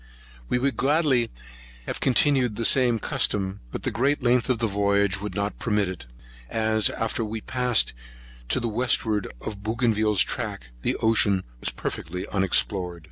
We would gladly have continued the same custom; but the great length of the voyage would not permit it, as, after we had passed to the wastward of Bougainville's track, the ocean was perfectly unexplored.